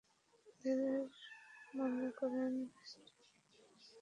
লেলরও মনে করেন, Trent bridge টেস্টে ব্যর্থতা ক্লার্কের ক্যারিয়ারের সমাপ্তিই টেনে দেবে।